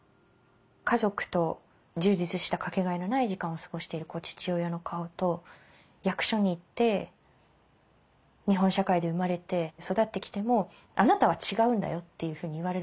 家族と充実した掛けがえのない時間を過ごしている父親の顔と役所に行って日本社会で生まれて育ってきてもあなたは違うんだよっていうふうに言われる瞬間じゃない？